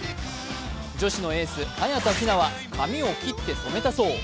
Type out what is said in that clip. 女子のエース、早田ひなは髪を切って染めたそう。